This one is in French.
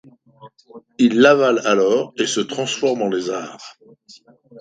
Il l'avale alors et se transforme en lézard...